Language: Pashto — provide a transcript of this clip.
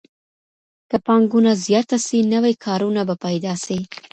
که پانګونه زیاته سي نوي کارونه به پیدا سي.